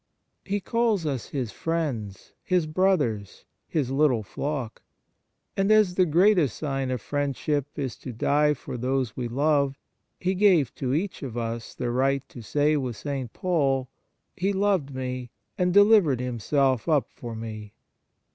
He calls us His friends, His brothers, His little flock ; and as the greatest sign of friend ship is to die for those we love, He gave to each of us the right to say with St. Paul :" He loved me, and delivered Himself up for me."